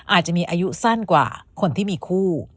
อาจจะมีอายุสั้นกว่าคนที่มีคู่